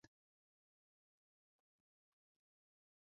"Repens" means 'creeping' or 'stoloniferous'.